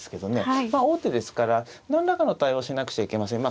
まあ王手ですから何らかの対応しなくちゃいけません。